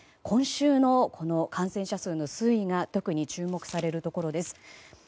今週の感染者数の推移が特に注目されるところです。